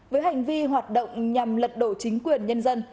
với hành vi hoạt động nhằm lật đổ chính quyền nhân dân